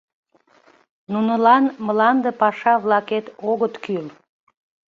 Нунылан мланде паша-влакет огыт кӱл.